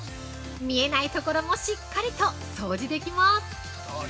見えないところもしっかりと掃除できます。